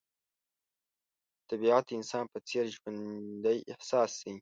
طبیعت د انسان په څېر ژوندی احساس شي.